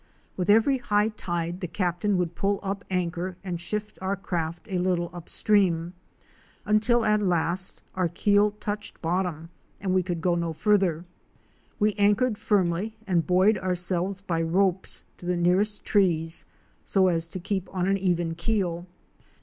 With every high tide the Captain would pull up anchor and shift our craft a little upstream, until at last our keel touched bottom and we could go no farther. We anchored firmly and buoyed ourselves by ropes to the nearest trees so as to keep on an even keel.